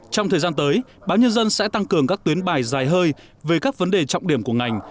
trong thời gian tới báo nhân dân sẽ tăng cường các tuyến bài dài hơi về các vấn đề trọng điểm của ngành